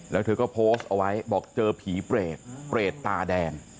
แล้วเธอก็โพสต์เอาไว้บอกเจอผีเปรตเปรตตาแดง